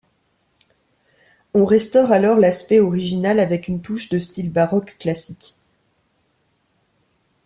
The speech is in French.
On restaure alors l'aspect original avec une touche de style baroque classique.